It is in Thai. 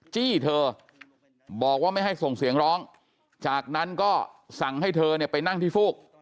จี้เธอบอกว่าไม่ให้ส่งเสียงร้องจากนั้นก็สั่งให้เธอเนี่ยไปนั่งที่ฟูก